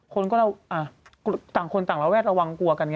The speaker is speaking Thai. คนก็เราต่างคนต่างระแวดระวังกลัวกันไง